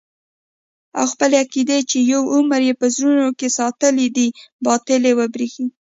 او خپلې عقيدې چې يو عمر يې په زړونو کښې ساتلې دي باطلې وبريښي.